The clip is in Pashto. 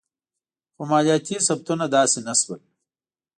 خو مالیاتي ثبتونه داسې نه شول.